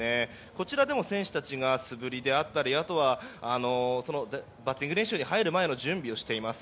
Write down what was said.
こちらでも選手たちが素振りであったりバッティング練習に入る前の準備をしています。